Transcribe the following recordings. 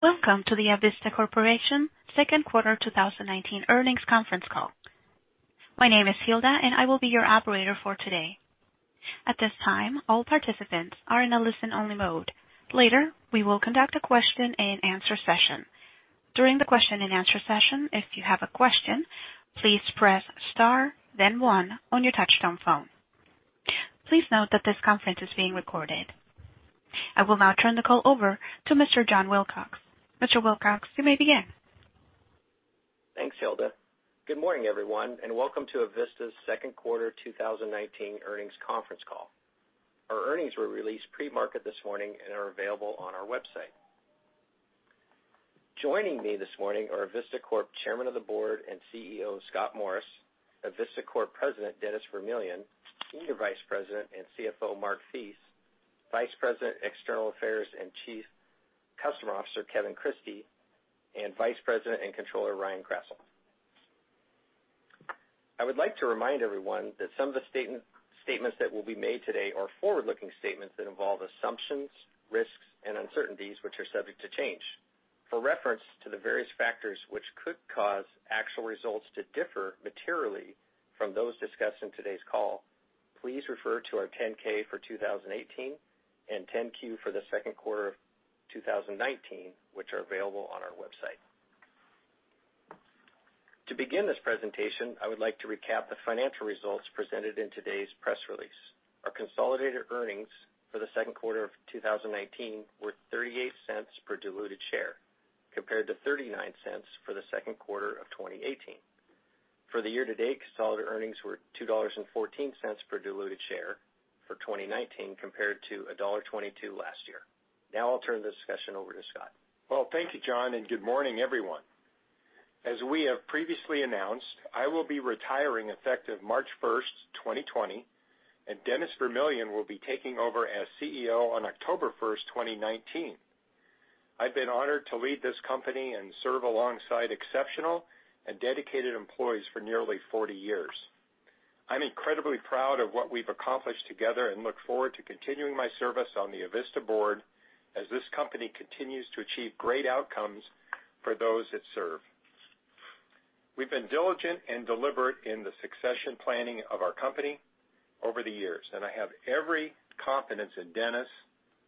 Welcome to the Avista Corporation second quarter 2019 earnings conference call. My name is Hilda, and I will be your operator for today. At this time, all participants are in a listen-only mode. Later, we will conduct a question and answer session. During the question and answer session, if you have a question, please press star then one on your touchtone phone. Please note that this conference is being recorded. I will now turn the call over to Mr. John Wilcox. Mr. Wilcox, you may begin. Thanks, Hilda. Good morning, everyone, and welcome to Avista's second quarter 2019 earnings conference call. Our earnings were released pre-market this morning and are available on our website. Joining me this morning are Avista Corp Chairman of the Board and CEO, Scott Morris, Avista Corp President, Dennis Vermillion, Senior Vice President and CFO, Mark Thies, Vice President, External Affairs and Chief Customer Officer, Kevin Christie, and Vice President and Controller, Ryan Krasselt. I would like to remind everyone that some of the statements that will be made today are forward-looking statements that involve assumptions, risks, and uncertainties which are subject to change. For reference to the various factors which could cause actual results to differ materially from those discussed on today's call, please refer to our 10-K for 2018 and 10-Q for the second quarter of 2019, which are available on our website. To begin this presentation, I would like to recap the financial results presented in today's press release. Our consolidated earnings for the second quarter of 2019 were $0.38 per diluted share, compared to $0.39 for the second quarter of 2018. For the year-to-date, consolidated earnings were $2.14 per diluted share for 2019, compared to $1.22 last year. Now I'll turn the discussion over to Scott. Well, thank you, John, and good morning, everyone. As we have previously announced, I will be retiring effective March 1st, 2020, and Dennis Vermillion will be taking over as CEO on October 1st, 2019. I've been honored to lead this company and serve alongside exceptional and dedicated employees for nearly 40 years. I'm incredibly proud of what we've accomplished together and look forward to continuing my service on the Avista board as this company continues to achieve great outcomes for those it serves. We've been diligent and deliberate in the succession planning of our company over the years, and I have every confidence in Dennis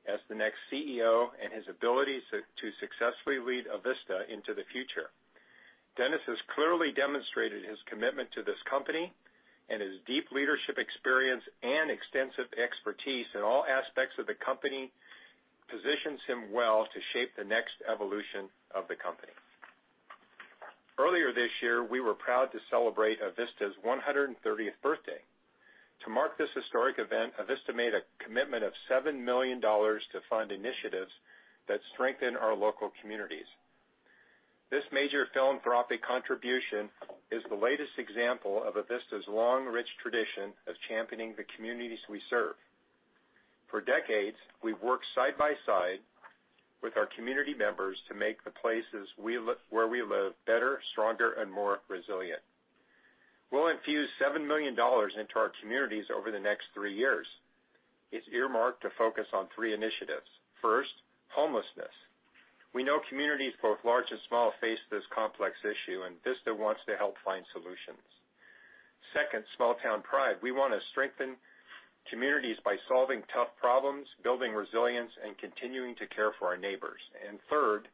as the next CEO and his ability to successfully lead Avista into the future. Dennis has clearly demonstrated his commitment to this company, and his deep leadership experience and extensive expertise in all aspects of the company positions him well to shape the next evolution of the company. Earlier this year, we were proud to celebrate Avista's 130th birthday. To mark this historic event, Avista made a commitment of $7 million to fund initiatives that strengthen our local communities. This major philanthropic contribution is the latest example of Avista's long, rich tradition of championing the communities we serve. For decades, we've worked side by side with our community members to make the places where we live better, stronger, and more resilient. We'll infuse $7 million into our communities over the next three years. It's earmarked to focus on three initiatives. First, homelessness. We know communities, both large and small, face this complex issue, and Avista wants to help find solutions. Second, small town pride. We want to strengthen communities by solving tough problems, building resilience, and continuing to care for our neighbors. Third,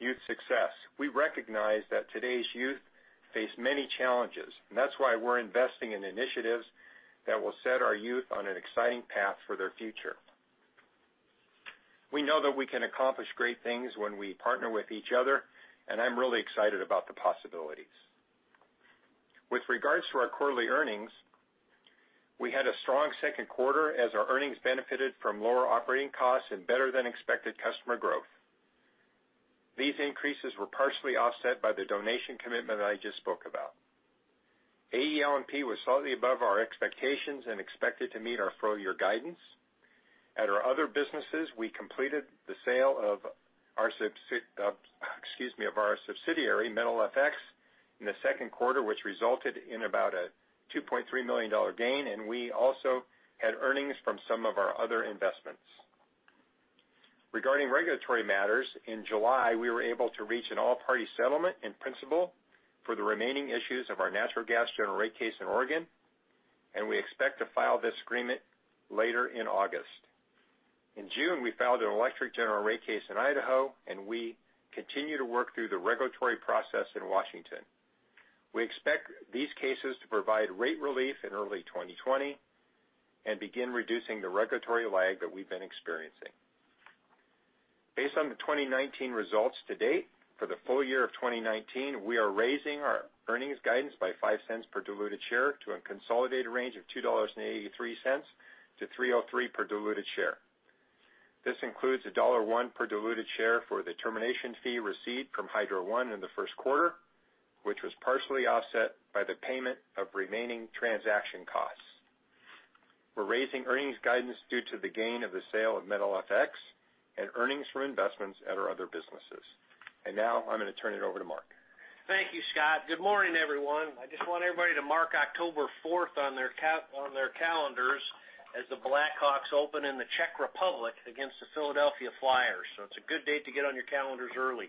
youth success. We recognize that today's youth face many challenges, and that's why we're investing in initiatives that will set our youth on an exciting path for their future. We know that we can accomplish great things when we partner with each other, and I'm really excited about the possibilities. With regards to our quarterly earnings, we had a strong second quarter as our earnings benefited from lower operating costs and better-than-expected customer growth. These increases were partially offset by the donation commitment that I just spoke about. AEL&P was slightly above our expectations and expected to meet our full-year guidance. At our other businesses, we completed the sale of our subsidiary, METALfx, in the second quarter, which resulted in about a $2.3 million gain. We also had earnings from some of our other investments. Regarding regulatory matters, in July, we were able to reach an all-party settlement in principle for the remaining issues of our natural gas general rate case in Oregon. We expect to file this agreement later in August. In June, we filed an electric general rate case in Idaho. We continue to work through the regulatory process in Washington. We expect these cases to provide rate relief in early 2020 and begin reducing the regulatory lag that we've been experiencing. Based on the 2019 results to date, for the full year of 2019, we are raising our earnings guidance by $0.05 per diluted share to a consolidated range of $2.83-$3.03 per diluted share. This includes $1.01 per diluted share for the termination fee received from Hydro One in the first quarter, which was partially offset by the payment of remaining transaction costs. We're raising earnings guidance due to the gain of the sale of METALfx and earnings from investments at our other businesses. Now I'm going to turn it over to Mark. Thank you, Scott. Good morning, everyone. I just want everybody to mark October 4th on their calendars as the Blackhawks open in the Czech Republic against the Philadelphia Flyers. It's a good date to get on your calendars early.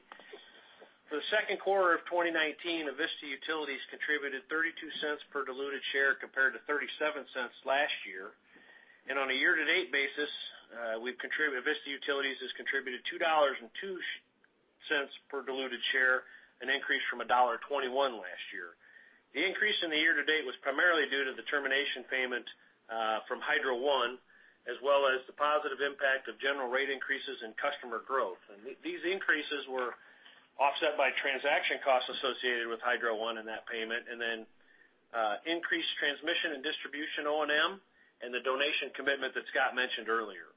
For the second quarter of 2019, Avista Utilities contributed $0.32 per diluted share, compared to $0.37 last year. On a year-to-date basis, Avista Utilities has contributed $2.02 per diluted share, an increase from $1.21 last year. The increase in the year-to-date was primarily due to the termination payment from Hydro One, as well as the positive impact of general rate increases and customer growth. These increases were offset by transaction costs associated with Hydro One and that payment, and then increased transmission and distribution O&M, and the donation commitment that Scott mentioned earlier.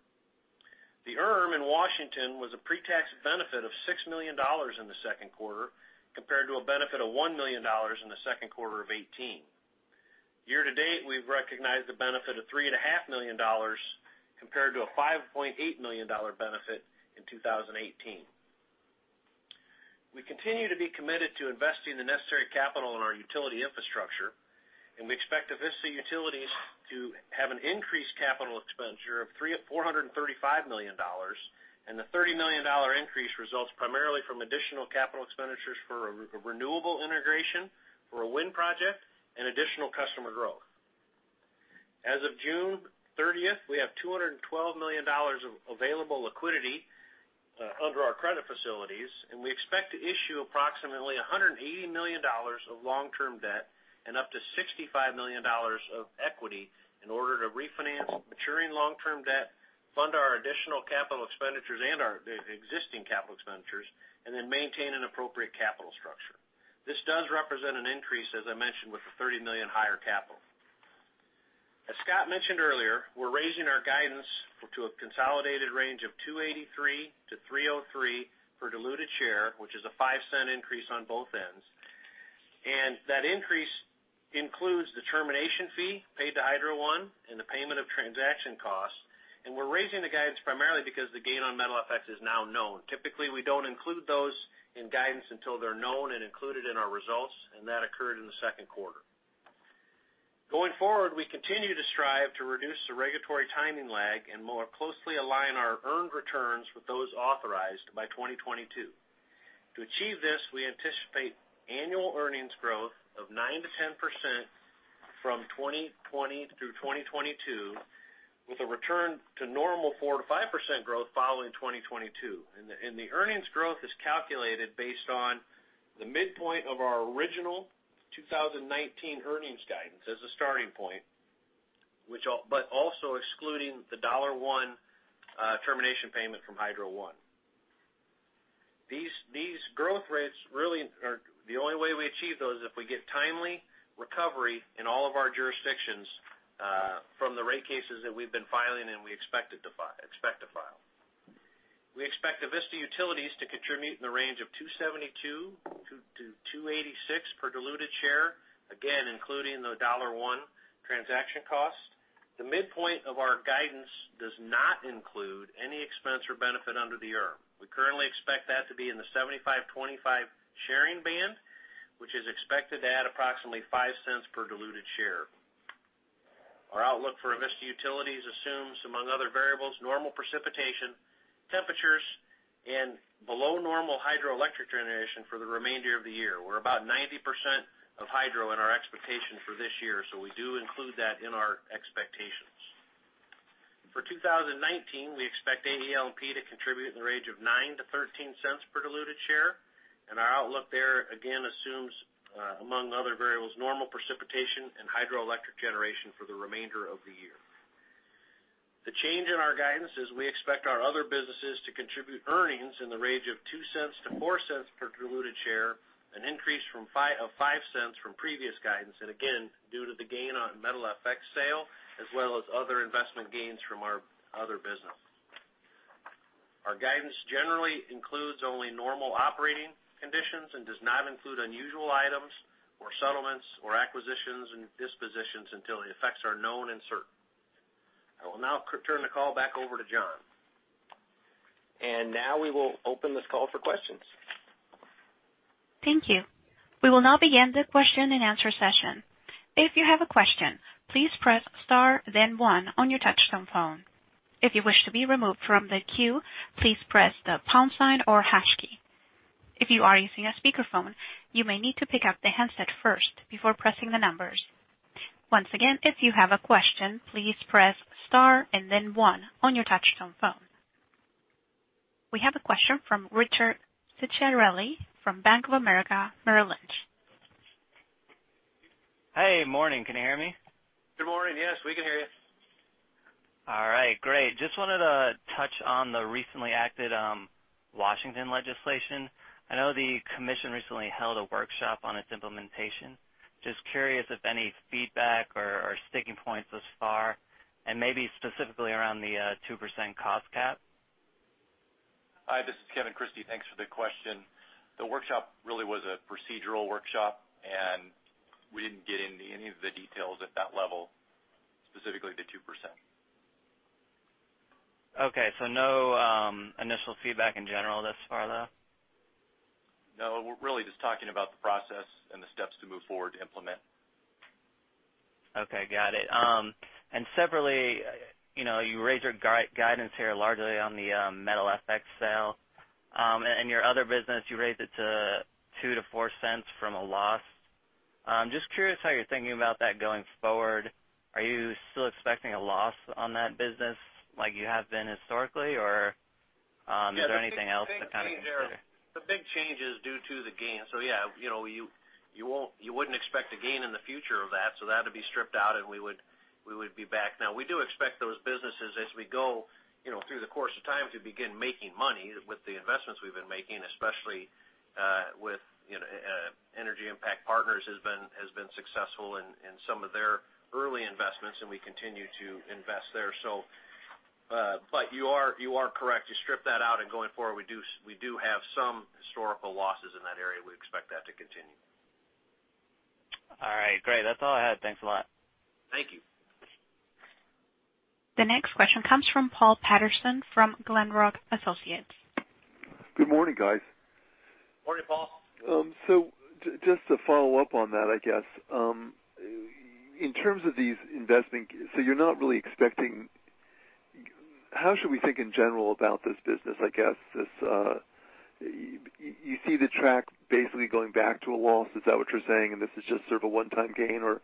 The ERM in Washington was a pre-tax benefit of $6 million in the second quarter, compared to a benefit of $1 million in the second quarter of 2018. Year to date, we've recognized the benefit of $3.5 million, compared to a $5.8 million benefit in 2018. We continue to be committed to investing the necessary capital in our utility infrastructure, we expect Avista Utilities to have an increased capital expenditure of $435 million. The $30 million increase results primarily from additional capital expenditures for renewable integration for a wind project and additional customer growth. As of June 30th, we have $212 million of available liquidity under our credit facilities. We expect to issue approximately $180 million of long-term debt and up to $65 million of equity in order to refinance maturing long-term debt, fund our additional capital expenditures and our existing capital expenditures, maintain an appropriate capital structure. This does represent an increase, as I mentioned, with the $30 million higher capital. As Scott mentioned earlier, we're raising our guidance to a consolidated range of $2.83 to $3.03 per diluted share, which is a $0.05 increase on both ends. That increase includes the termination fee paid to Hydro One and the payment of transaction costs. We're raising the guidance primarily because the gain on METALfx is now known. Typically, we don't include those in guidance until they're known and included in our results, and that occurred in the second quarter. Going forward, we continue to strive to reduce the regulatory timing lag and more closely align our earned returns with those authorized by 2022. To achieve this, we anticipate annual earnings growth of 9%-10% from 2020 through 2022, with a return to normal 4%-5% growth following 2022. The earnings growth is calculated based on the midpoint of our original 2019 earnings guidance as a starting point, but also excluding the $1 termination payment from Hydro One. These growth rates, really, the only way we achieve those is if we get timely recovery in all of our jurisdictions from the rate cases that we've been filing and we expect to file. We expect Avista Utilities to contribute in the range of $2.72-$2.86 per diluted share, again, including the $1 transaction cost. The midpoint of our guidance does not include any expense or benefit under the ERM. We currently expect that to be in the 75/25 sharing band, which is expected to add approximately $0.05 per diluted share. Our outlook for Avista Utilities assumes, among other variables, normal precipitation, temperatures, and below normal hydroelectric generation for the remainder of the year. We're about 90% of hydro in our expectation for this year, so we do include that in our expectations. For 2019, we expect AEL&P to contribute in the range of $0.09-$0.13 per diluted share, and our outlook there again assumes, among other variables, normal precipitation and hydroelectric generation for the remainder of the year. The change in our guidance is we expect our other businesses to contribute earnings in the range of $0.02-$0.04 per diluted share, an increase of $0.05 from previous guidance. Again, due to the gain on METALfx sale, as well as other investment gains from our other business. Our guidance generally includes only normal operating conditions and does not include unusual items or settlements or acquisitions and dispositions until the effects are known and certain. I will now turn the call back over to John. Now we will open this call for questions. Thank you. We will now begin the question and answer session. If you have a question, please press star then one on your touch tone phone. If you wish to be removed from the queue, please press the pound sign or hash key. If you are using a speakerphone, you may need to pick up the handset first before pressing the numbers. Once again, if you have a question, please press star and then one on your touch tone phone. We have a question from Richard Ciciarelli from Bank of America Merrill Lynch. Hey, morning. Can you hear me? Good morning. Yes, we can hear you. All right, great. Just wanted to touch on the recently acted Washington legislation. I know the commission recently held a workshop on its implementation. Just curious if any feedback or sticking points thus far, and maybe specifically around the 2% cost cap? Hi, this is Kevin Christie. Thanks for the question. The workshop really was a procedural workshop. We didn't get into any of the details at that level, specifically the 2%. Okay. No initial feedback in general thus far, though? No, we're really just talking about the process and the steps to move forward to implement. Okay, got it. Separately, you raised your guidance here largely on the METALfx sale. Your other business, you raised it to $0.02-$0.04 from a loss. Just curious how you're thinking about that going forward. Are you still expecting a loss on that business like you have been historically, or is there anything else to kind of consider? The big change is due to the gain. Yeah, you wouldn't expect a gain in the future of that. That would be stripped out, and we would be back. Now, we do expect those businesses as we go through the course of time to begin making money with the investments we've been making, especially with Energy Impact Partners has been successful in some of their early investments, and we continue to invest there. You are correct. You strip that out, and going forward, we do have some historical losses in that area. We expect that to continue. All right, great. That's all I had. Thanks a lot. Thank you. The next question comes from Paul Patterson from Glenrock Associates. Good morning, guys. Morning, Paul. Just to follow up on that, I guess. In terms of these investments, you're not really expecting. How should we think in general about this business, I guess? You see the track basically going back to a loss, is that what you're saying, and this is just sort of a one-time gain, or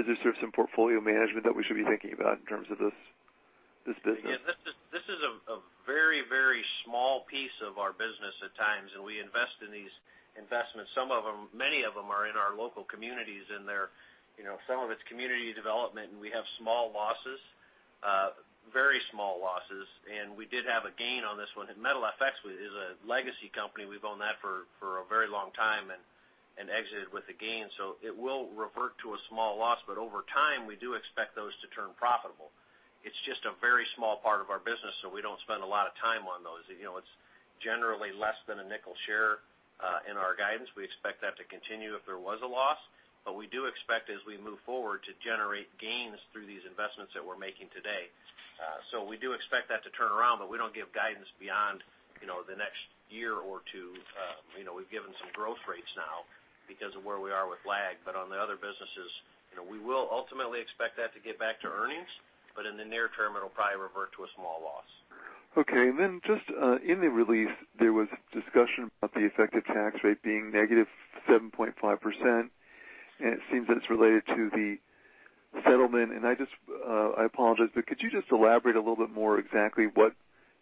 is there sort of some portfolio management that we should be thinking about in terms of this business? This is a very small piece of our business at times, and we invest in these investments. Many of them are in our local communities, and some of it's community development, and we have small losses, very small losses. We did have a gain on this one. METALfx is a legacy company. We've owned that for a very long time and exited with a gain. It will revert to a small loss, but over time, we do expect those to turn profitable. It's just a very small part of our business, so we don't spend a lot of time on those. It's generally less than a $0.05 share in our guidance. We expect that to continue if there was a loss. We do expect as we move forward to generate gains through these investments that we're making today. We do expect that to turn around, but we don't give guidance beyond the next year or two. We've given some growth rates now because of where we are with lag. On the other businesses, we will ultimately expect that to get back to earnings, but in the near term, it'll probably revert to a small loss. Okay. Just in the release, there was discussion about the effective tax rate being negative 7.5%, and it seems that it's related to the settlement. I apologize, could you just elaborate a little bit more exactly what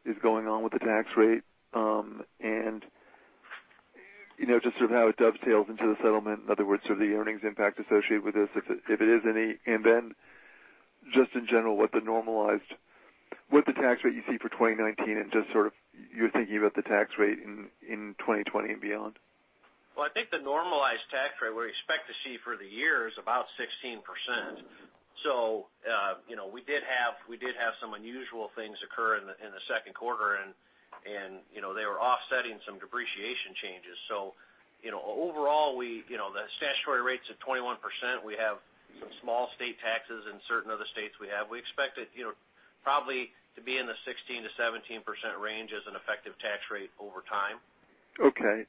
is going on with the tax rate? Just sort of how it dovetails into the settlement, in other words, sort of the earnings impact associated with this, if it is any. Just in general, what the tax rate you see for 2019 and just sort of your thinking about the tax rate in 2020 and beyond. Well, I think the normalized tax rate we expect to see for the year is about 16%. We did have some unusual things occur in the second quarter, and they were offsetting some depreciation changes. Overall, the statutory rate's at 21%. We have some small state taxes in certain other states we have. We expect it probably to be in the 16%-17% range as an effective tax rate over time. Okay.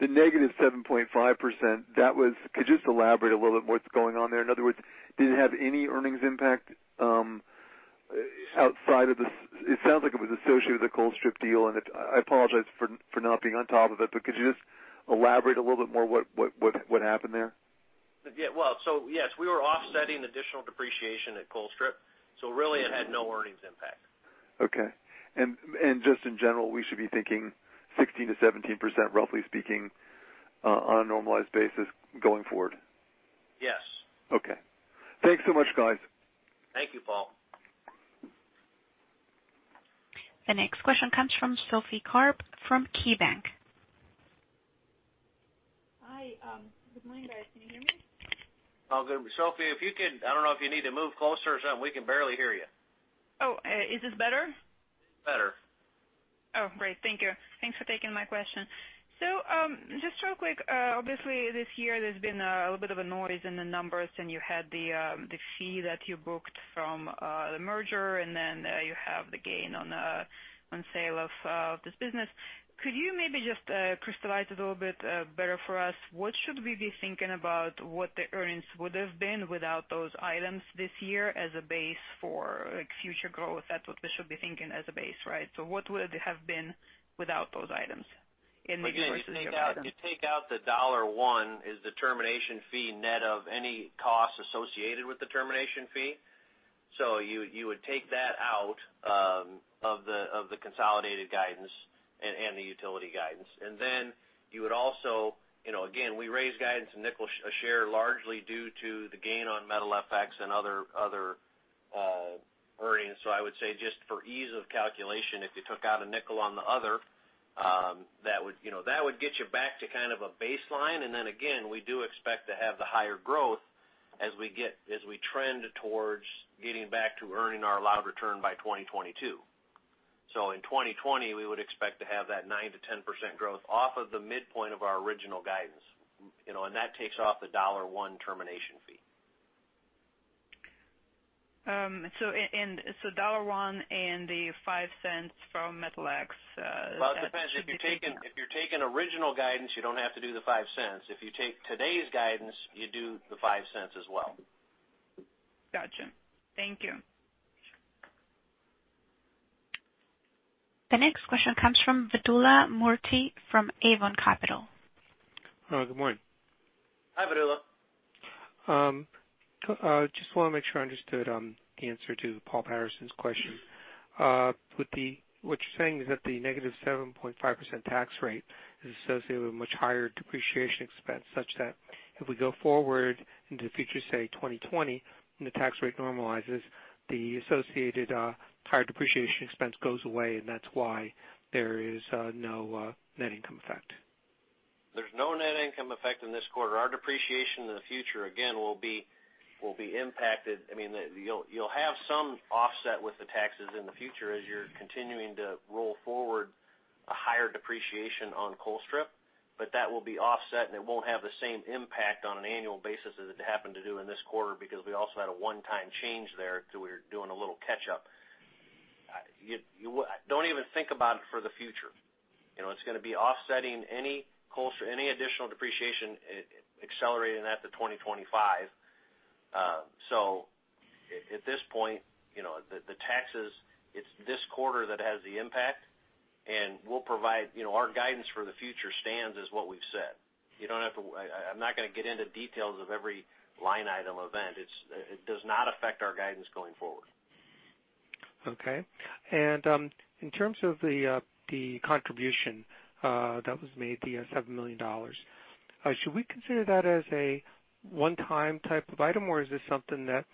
The negative 7.5%, could you just elaborate a little bit what's going on there? In other words, did it have any earnings impact outside of the It sounds like it was associated with the Colstrip deal, and I apologize for not being on top of it, but could you just elaborate a little bit more what happened there? Yeah. Well, yes, we were offsetting additional depreciation at Colstrip, so really it had no earnings impact. Okay. Just in general, we should be thinking 16%-17%, roughly speaking, on a normalized basis going forward. Yes. Okay. Thanks so much, guys. Thank you, Paul. The next question comes from Sophie Karp from KeyBanc. Hi. Good morning, guys. Can you hear me? All good. Sophie, I don't know if you need to move closer or something. We can barely hear you. Oh, is this better? Better. Great. Thank you. Thanks for taking my question. Just real quick, obviously, this year, there's been a little bit of a noise in the numbers, and you had the fee that you booked from the merger, and then you have the gain on sale of this business. Could you maybe just crystallize it a little bit better for us? What should we be thinking about what the earnings would have been without those items this year as a base for future growth? That's what we should be thinking as a base, right? What would it have been without those items in the adjusted items? You take out the $1 is the termination fee net of any costs associated with the termination fee. You would take that out of the consolidated guidance and the utility guidance. You would also, again, we raised guidance a share largely due to the gain on METALfx and other earnings. I would say just for ease of calculation, if you took out $0.05 on the other, that would get you back to kind of a baseline. Again, we do expect to have the higher growth as we trend towards getting back to earning our allowed return by 2022. In 2020, we would expect to have that 9%-10% growth off of the midpoint of our original guidance. That takes off the $1 termination fee. $1 and the $0.05 from METALfx. Well, it depends. If you're taking original guidance, you don't have to do the $0.05. If you take today's guidance, you do the $0.05 as well. Gotcha. Thank you. The next question comes from Vedula Murti from Aven Capital. Hello, good morning. Hi, Vedula. Just want to make sure I understood the answer to Paul Patterson's question. What you're saying is that the negative 7.5% tax rate is associated with much higher depreciation expense, such that if we go forward into the future, say, 2020, when the tax rate normalizes, the associated higher depreciation expense goes away, and that's why there is no net income effect. There's no net income effect in this quarter. Our depreciation in the future, again, will be impacted. You'll have some offset with the taxes in the future as you're continuing to roll forward a higher depreciation on Colstrip, but that will be offset, and it won't have the same impact on an annual basis as it happened to do in this quarter because we also had a one-time change there, so we're doing a little catch-up. Don't even think about it for the future. It's going to be offsetting any additional depreciation accelerating that to 2025. At this point, the taxes, it's this quarter that has the impact, and our guidance for the future stands as what we've said. I'm not going to get into details of every line item event. It does not affect our guidance going forward. Okay. In terms of the contribution that was made, the $7 million, should we consider that as a one-time type of item, or is this something that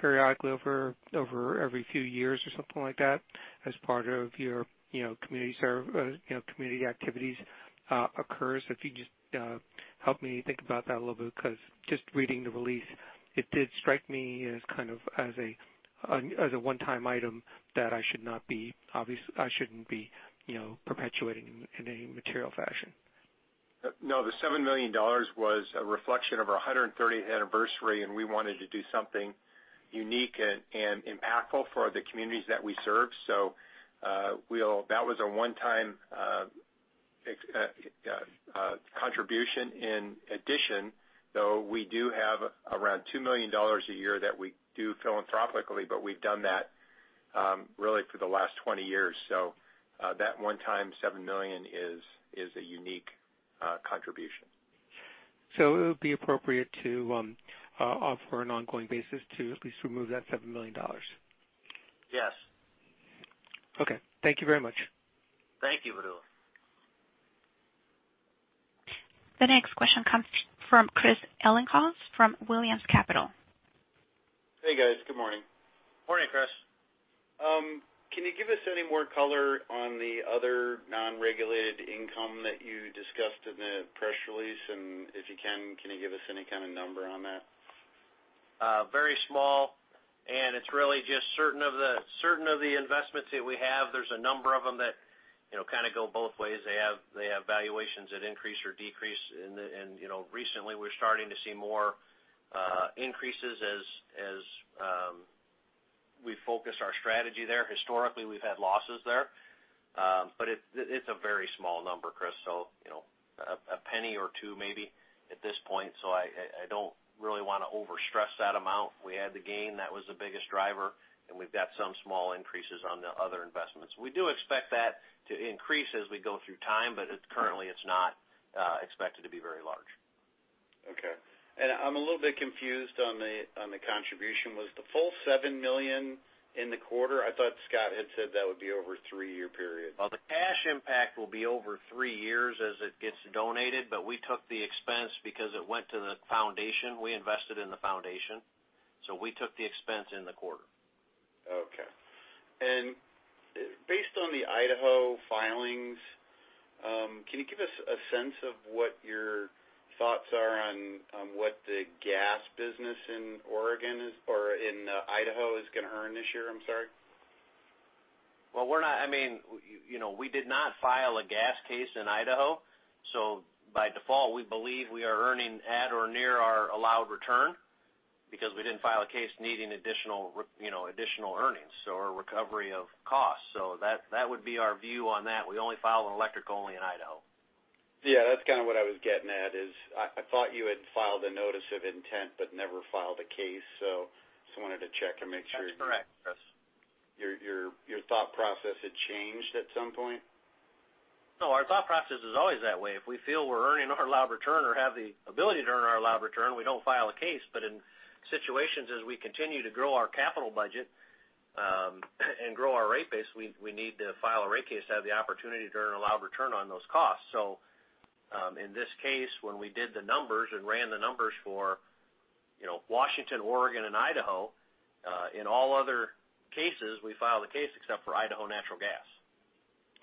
periodically over every few years or something like that as part of your community activities occurs? If you just help me think about that a little bit, because just reading the release, it did strike me as kind of as a one-time item that I shouldn't be perpetuating in any material fashion. The $7 million was a reflection of our 130th anniversary, and we wanted to do something unique and impactful for the communities that we serve. That was a one-time contribution. In addition, though, we do have around $2 million a year that we do philanthropically, but we've done that really for the last 20 years. That one-time $7 million is a unique contribution. It would be appropriate to offer an ongoing basis to at least remove that $seven million? Yes. Okay. Thank you very much. Thank you, Vedula. The next question comes from Chris Ellinghaus from Williams Capital. Hey, guys. Good morning. Morning, Chris. Can you give us any more color on the other non-regulated income that you discussed in the press release? If you can you give us any kind of number on that? Very small, it's really just certain of the investments that we have. There's a number of them that kind of go both ways. They have valuations that increase or decrease. Recently we're starting to see more increases as we focus our strategy there. Historically, we've had losses there. It's a very small number, Chris, so $0.01 or $0.02 maybe at this point. I don't really want to overstress that amount. We had the gain. That was the biggest driver, and we've got some small increases on the other investments. We do expect that to increase as we go through time, but currently it's not expected to be very large. Okay. I'm a little bit confused on the contribution. Was the full $7 million in the quarter? I thought Scott had said that would be over a three-year period. The cash impact will be over three years as it gets donated, but we took the expense because it went to the foundation. We invested in the foundation. We took the expense in the quarter. Okay. Based on the Idaho filings, can you give us a sense of what your thoughts are on what the gas business in Idaho is going to earn this year? I'm sorry. We did not file a gas case in Idaho. By default, we believe we are earning at or near our allowed return because we didn't file a case needing additional earnings or recovery of costs. That would be our view on that. We only file an electric only in Idaho. Yeah, that's kind of what I was getting at is I thought you had filed a notice of intent but never filed a case. Just wanted to check and make sure. That's correct, Chris. Your thought process had changed at some point? No, our thought process is always that way. If we feel we're earning our allowed return or have the ability to earn our allowed return, we don't file a case. In situations, as we continue to grow our capital budget and grow our rate base, we need to file a rate case to have the opportunity to earn an allowed return on those costs. In this case, when we did the numbers and ran the numbers for Washington, Oregon, and Idaho, in all other cases, we filed a case except for Idaho Natural Gas.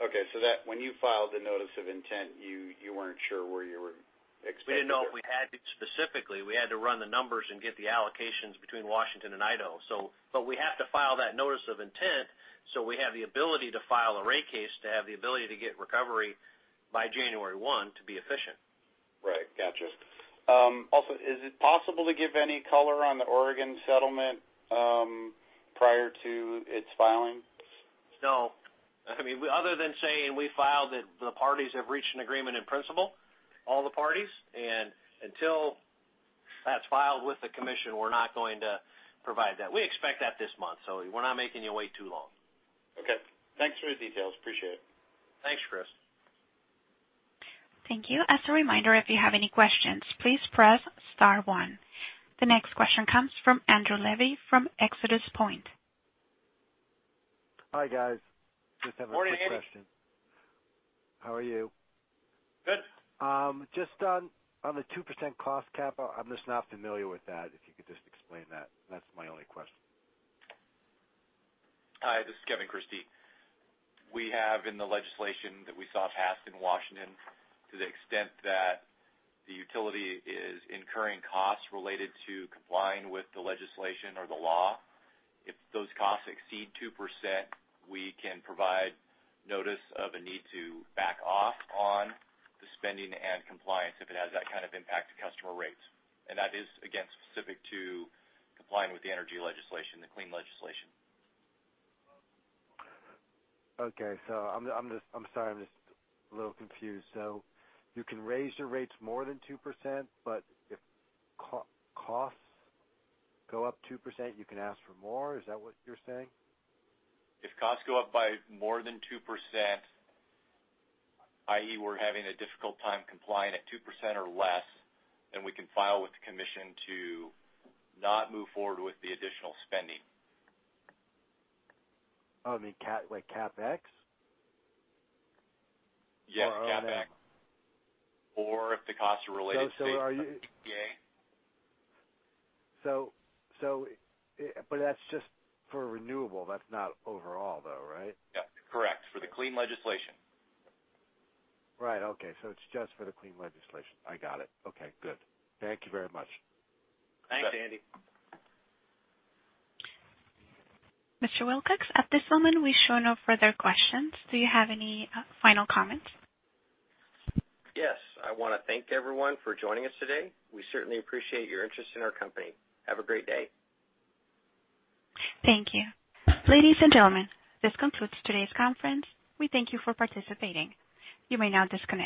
Okay. When you filed the notice of intent, you weren't sure where you were expecting it? We didn't know if we had it specifically. We had to run the numbers and get the allocations between Washington and Idaho. We have to file that notice of intent so we have the ability to file a rate case to have the ability to get recovery by January one to be efficient. Right. Gotcha. Also, is it possible to give any color on the Oregon settlement prior to its filings? No. Other than saying we filed it, the parties have reached an agreement in principle, all the parties. Until that's filed with the commission, we're not going to provide that. We expect that this month, we're not making you wait too long. Okay. Thanks for the details. Appreciate it. Thanks, Chris. Thank you. As a reminder, if you have any questions, please press star one. The next question comes from Andrew Levy from ExodusPoint. Hi, guys. Just have a quick question. Morning, Andy. How are you? Good. Just on the 2% cost cap, I'm just not familiar with that, if you could just explain that. That's my only question. Hi, this is Kevin Christie. We have in the legislation that we saw passed in Washington to the extent that the utility is incurring costs related to complying with the legislation or the law. If those costs exceed 2%, we can provide notice of a need to back off on the spending and compliance if it has that kind of impact to customer rates. That is, again, specific to complying with the energy legislation, the clean legislation. I'm sorry, I'm just a little confused. You can raise your rates more than 2%, but if costs go up 2%, you can ask for more? Is that what you're saying? If costs go up by more than 2%, i.e., we're having a difficult time complying at 2% or less, then we can file with the commission to not move forward with the additional spending. You mean like CapEx? Yes, CapEx. If the costs are related to the EPA. That's just for renewable. That's not overall, though, right? Yeah. Correct. For the clean legislation. Right. Okay. It's just for the clean legislation. I got it. Okay, good. Thank you very much. Thanks, Andy. Mr. Wilcox, at this moment, we show no further questions. Do you have any final comments? Yes. I want to thank everyone for joining us today. We certainly appreciate your interest in our company. Have a great day. Thank you. Ladies and gentlemen, this concludes today's conference. We thank you for participating. You may now disconnect.